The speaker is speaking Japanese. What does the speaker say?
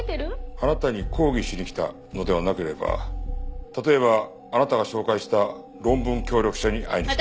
あなたに抗議しに来たのではなければ例えばあなたが紹介した論文協力者に会いに来た。